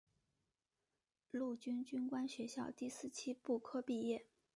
陆军军官学校第四期步科毕业。